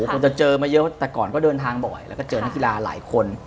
คงจะเจอมาเยอะแต่ก่อนก็เดินทางบ่อยแล้วก็เจอนักกีฬาหลายคน